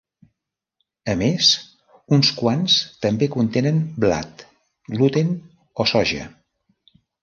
A més uns quants també contenen blat, gluten o soja.